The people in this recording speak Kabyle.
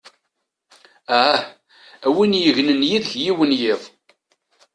Ah; a wi yegnen yid-k yiwen n yiḍ!